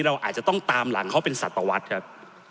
เราอาจจะต้องตามหลังเขาเป็นสัตวรรษครับ